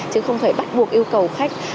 chứ không phải bắt buộc yêu cầu khách